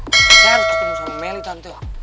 saya harus ketemu sama meli tante